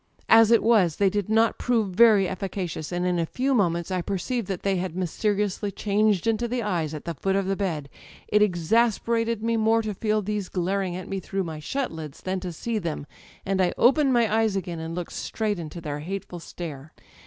As it was, they did not prove very efficacious, and in a few moments I perceived that they had mysteriously changed into the eyes at the foot of the bed. It exasperated me more to feel these glaring at me through my shut lids than to see them, and I opened my eyes again and looked straight into their hateful stare